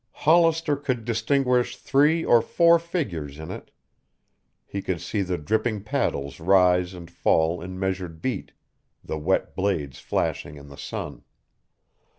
Hollister could distinguish three or four figures in it. He could see the dripping paddles rise and fall in measured beat, the wet blades flashing in the sun.